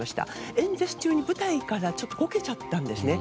演説中に舞台からこけちゃったんですね。